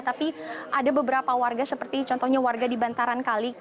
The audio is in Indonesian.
tapi ada beberapa warga seperti contohnya warga di bantaran kali